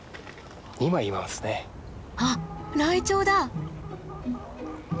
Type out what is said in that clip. あっライチョウだ。